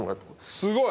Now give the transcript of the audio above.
すごい。